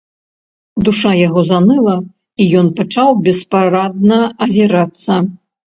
Душа яго заныла, і ён пачаў беспарадна азірацца.